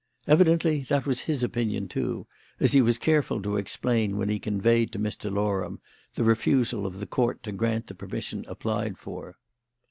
Evidently that was his opinion, too, as he was careful to explain when he conveyed to Mr. Loram the refusal of the Court to grant the permission applied for.